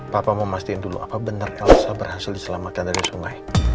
papa mau mastiin dulu apa bener elsa berhasil di selamatkan dari sungai